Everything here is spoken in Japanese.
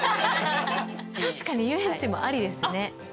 確かに遊園地もありですね。